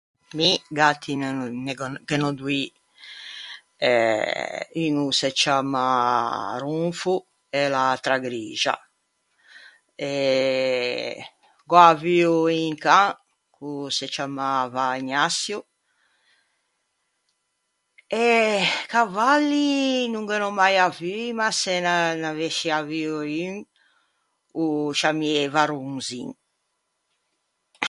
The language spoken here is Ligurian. Mi gatti ghe ne n'ò ne gh'ò ghe n'ò doî. Eh un o se ciamma Ronfo e l'atra Grixa. E gh'ò avuo un can, ch'o se ciammava Ignaçio, e cavalli no ghe n'ò mai avui, ma se ne n'avesse avuo un ô ciammieiva Ronzin.